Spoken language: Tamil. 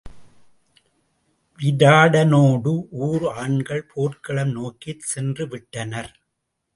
விராடனோடு ஊர் ஆண்கள் போர்க்களம் நோக்கிச் சென்று விட்டனர்.